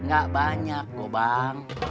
gak banyak kok bang